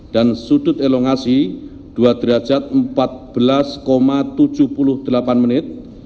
dan sudut elongasi dua derajat empat belas tujuh puluh delapan menit